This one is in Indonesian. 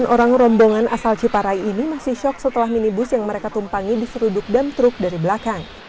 sembilan orang rombongan asal ciparai ini masih syok setelah minibus yang mereka tumpangi diseruduk dam truk dari belakang